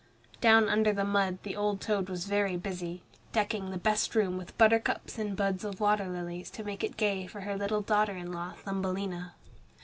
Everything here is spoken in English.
Down under the mud the old toad was very busy, decking the best room with buttercups and buds of water lilies to make it gay for her little daughter in law, Thumbelina.